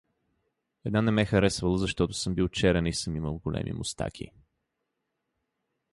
Една не ме харесвала, защото съм бил черен и съм имал големи мустаки.